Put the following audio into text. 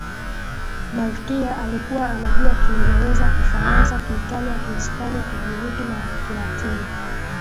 malkia alikuwa anajua kiingereza kifaransa kiitalia kihispania kigiriki na kilatini